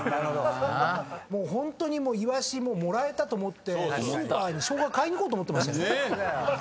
もうホントにイワシもらえたと思ってスーパーにしょうが買いに行こうと思ってましたよね。